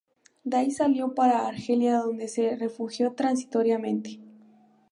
De ahí salió para Argelia donde se refugió transitoriamente.